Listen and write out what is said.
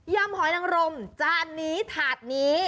ำหอยนังรมจานนี้ถาดนี้